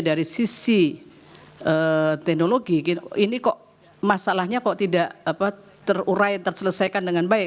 dari sisi teknologi ini kok masalahnya kok tidak terurai terselesaikan dengan baik